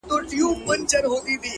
• ژبور او سترګور دواړه په ګور دي,